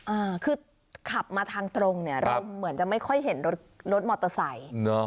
อ่าคือขับมาทางตรงเนี่ยเราเหมือนจะไม่ค่อยเห็นรถรถมอเตอร์ไซค์เนอะ